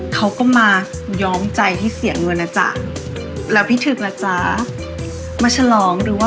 เขาก็มายอมใจให้เสียเงินอะจ๊ะแล้วพี่ถึงนะจ๊ะ